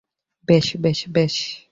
বেশ, বেশ, বেশ।